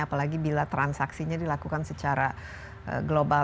apalagi bila transaksinya dilakukan secara global